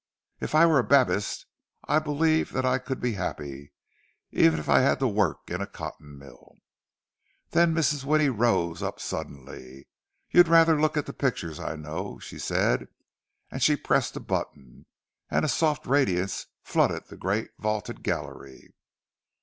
If I were a Babist, I believe that I could be happy, even if I had to work in a cotton mill." Then Mrs. Winnie rose up suddenly. "You'd rather look at the pictures, I know," she said; and she pressed a button, and a soft radiance flooded the great vaulted gallery.